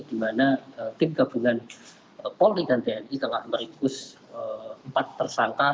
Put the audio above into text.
di mana tim gabungan polri dan tni telah merikus empat tersangka